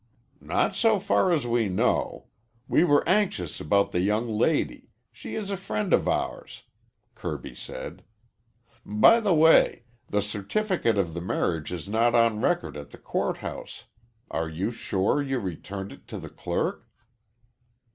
"Not so far as we know. We were anxious about the young lady. She is a friend of ours," Kirby said. "By the way, the certificate of the marriage is not on record at the court house. Are you sure you returned it to the clerk?"